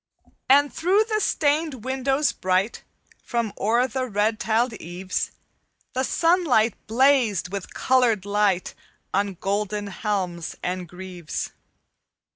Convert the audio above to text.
"And through the stained windows bright, From o'er the red tiled eaves, The sunlight blazed with colored light On golden helms and greaves.